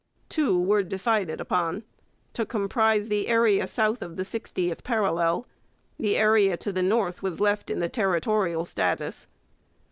Two were decided upon, to comprise the area south of the sixtieth parallel; the area to the north was left in the territorial status.